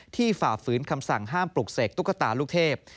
ฝ่าฝืนคำสั่งห้ามปลุกเสกตุ๊กตาลูกเทพ